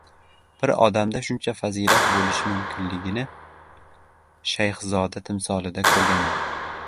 Bir odamda shuncha fazilat bo‘lishi mumkinligini Shayxzoda timsolida ko‘rganman.